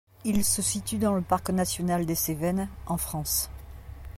Il se situe dans le Parc national des Cévennes, en France.